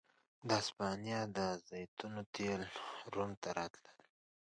د هسپانیا د زیتونو تېل روم ته راتلل